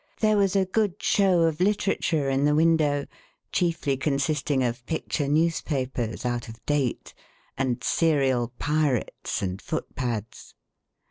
There was a good show of literature in the window, chiefly consisting of picture newspapers out of date, and serial pirates, and footpads.